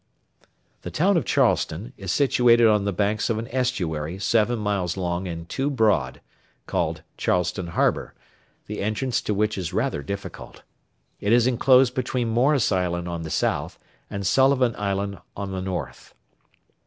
The town of Charleston is situated on the banks of an estuary seven miles long and two broad, called Charleston Harbour, the entrance to which is rather difficult. It is enclosed between Morris Island on the south and Sullivan Island on the north.